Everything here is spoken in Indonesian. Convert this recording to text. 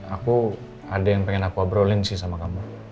aku ada yang pengen akuabrolin sih sama kamu